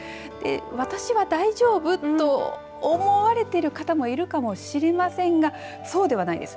私は大丈夫と思われてる方もいるかもしれませんがそうではないです。